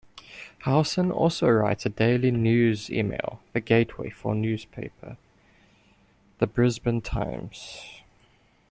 Howson also writes a daily news email The Gateway for newspaper "The Brisbane Times".